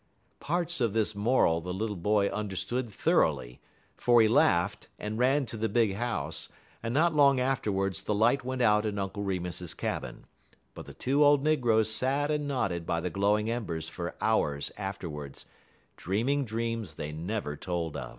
Parts of this moral the little boy understood thoroughly, for he laughed, and ran to the big house, and not long afterwards the light went out in Uncle Remus's cabin; but the two old negroes sat and nodded by the glowing embers for hours afterwards, dreaming dreams they never told of.